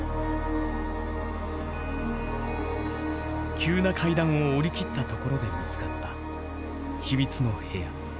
急な階段を下りきったところで見つかった秘密の部屋。